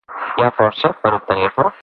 Hi ha força per obtenir-la?